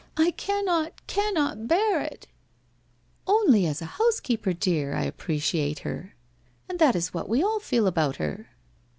I cannot, cannot bear it !' 'Only as a housekeeper, dear, 1 appreciate her. And that it what we all feel about her!